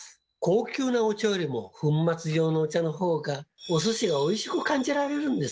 高級なお茶よりも粉末状のお茶のほうがお寿司がおいしく感じられるんですよ。